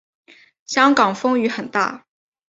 香港风雨很大